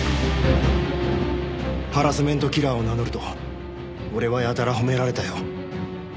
ハラスメントキラーを名乗ると俺はやたら褒められたよ。